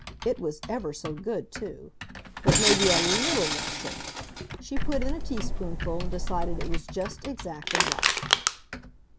It was ever so good, too. But maybe a LITTLE more sugar. She put in a teaspoonful and decided it was just exactly right!